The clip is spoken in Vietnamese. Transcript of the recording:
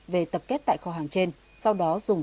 về tập kết tại kho hàng trên sau đó dùng